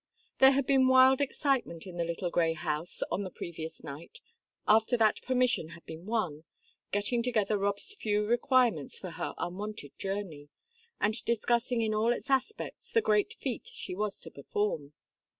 There had been wild excitement in the little grey house on the previous night, after that permission had been won, getting together Rob's few requirements for her unwonted journey, and discussing in all its aspects the great feat she was to perform.